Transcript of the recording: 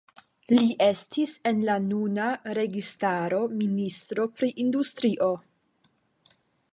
Li estis en la nuna registaro ministro pri industrio.